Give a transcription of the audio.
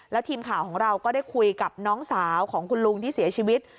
แล้วทีมข่าวของเราก็ได้คุยกับน้องสาวของคุณลุงที่เสียชีวิต